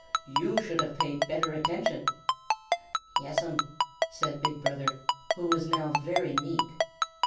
"You should have paid better attention." "Yes 'm," said Big Brother, who was now very meek.